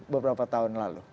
beberapa tahun lalu